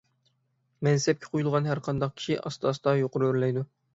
مەنسەپكە قويۇلغان ھەرقانداق كىشى ئاستا - ئاستا يۇقىرى ئۆرلەيدۇ.